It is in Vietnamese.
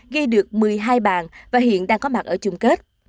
ghi được một mươi hai bàn và hiện đang có mặt ở chung kết